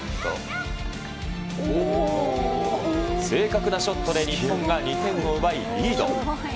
正確なショットで日本が２点を奪いリード。